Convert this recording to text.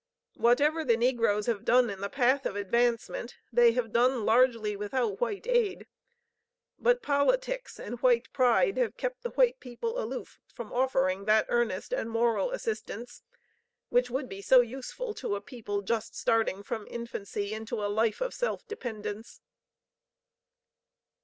Whatever the negroes have done in the path of advancement, they have done largely without white aid. But politics and white pride have kept the white people aloof from offering that earnest and moral assistance which would be so useful to a people just starting from infancy into a life of self dependence.